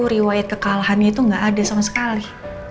riwayat kekalahannya itu nggak ada sama sekali